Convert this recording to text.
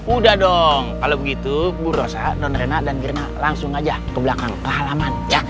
udah dong kalau begitu bu rosa non renat dan mirna langsung aja ke belakang ke halaman